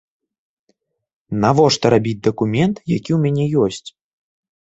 Навошта рабіць дакумент, які ў мяне ёсць?